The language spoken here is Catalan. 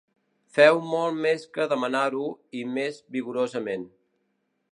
Féu molt més que demanar-ho, i més vigorosament.